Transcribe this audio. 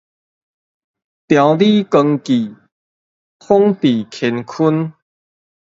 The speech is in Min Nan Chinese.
調理綱紀，統制乾坤